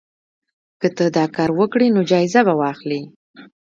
که ته دا کار وکړې نو جایزه به واخلې.